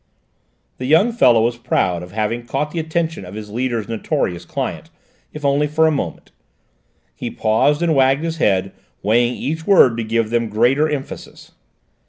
The young fellow was proud of having caught the attention of his leader's notorious client, if only for a moment; he paused and wagged his head, weighing each word to give them greater emphasis.